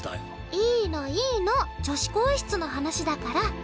いーのいーの女子更衣室の話だから。